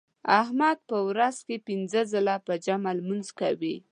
احمد په ورځ کې پینځه ځله په جمع لمونځ کوي.